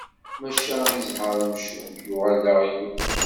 Maca i ẓẓher amcum, yuɣal d aɣyul.